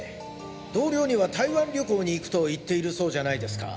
同僚には台湾旅行に行くと言っているそうじゃないですか。